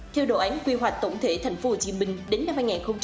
theo đồ án quy hoạch tổng thể thành phố hồ chí minh đến năm hai nghìn bốn mươi